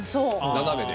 斜めで。